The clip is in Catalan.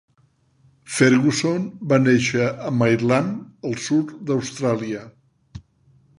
Ferguson va néixer a Maitland, al sud d'Austràlia.